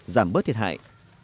giảm bớt thiệt hại